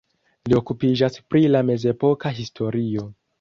Li okupiĝas pri la mezepoka historio.